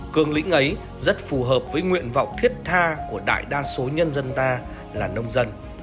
cương lĩnh ấy rất phù hợp với nguyện vọng thiết tha của đại đa số nhân dân ta là nông dân